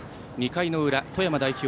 ２回の裏、富山代表